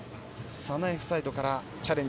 サナエフサイドからビデオチャレンジ。